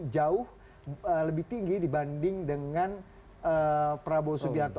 jauh lebih tinggi dibanding dengan prabowo subianto